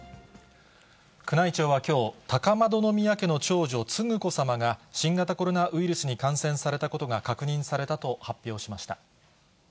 宮内庁はきょう、高円宮家の長女、承子さまが新型コロナウイルスに感染されたことが確認されたと発表しました。